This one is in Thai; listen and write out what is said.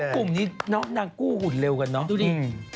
ดูดิอ้างกู้หุ่นเร็วกันนะ